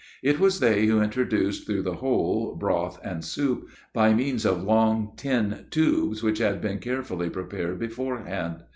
It was they who introduced through the hole, broth and soup, by means of long, tin tubes, which had been carefully prepared beforehand.